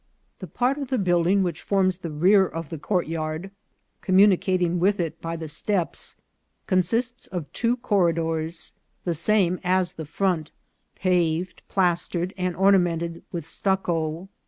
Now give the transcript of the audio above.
The part of the building which forms the rear of the courtyard, communicating with it by the steps, consists of two corridors, the same as the front, paved, plas tered, and ornamented with stucco.